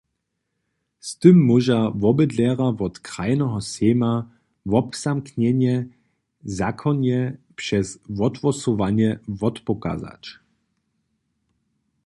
Z tym móža wobydlerjo wot krajneho sejma wobzamknjene zakonje přez wothłosowanje wotpokazać.